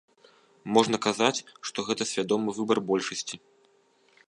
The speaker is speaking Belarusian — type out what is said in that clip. Можна казаць, што гэта свядомы выбар большасці.